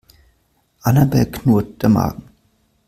Annabel knurrt der Magen.